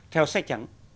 theo sách trắng